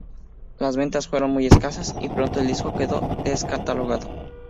Las ventas fueron muy escasas y pronto el disco quedó descatalogado.